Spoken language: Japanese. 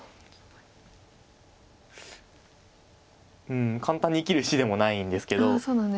うん簡単に生きる石でもないんですけど。